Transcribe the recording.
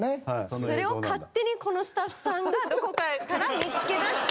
それを勝手にこのスタッフさんがどこかから見つけ出して。